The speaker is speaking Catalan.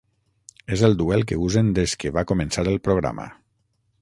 És el duel que usen des que va començar el programa.